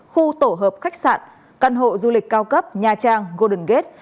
khu tổ hợp khách sạn căn hộ du lịch cao cấp nha trang golden gate